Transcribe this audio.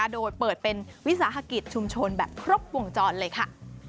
โดยเปิดเป็นวิสาหกิจชุมชนแบบครบวงจรเลยค่ะ